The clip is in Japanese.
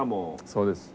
そうです。